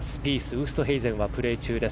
ウーストヘイゼンはプレー中。